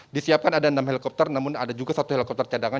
disiapkan ada enam helikopter namun ada juga satu helikopter cadangan